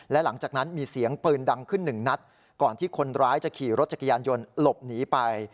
และหลังจากนั้นมีเสียงปืนดังขึ้นหนึ่งนัดก่อนที่คนร้ายจะขี่รถจักรยานยนต์หลบหนีไป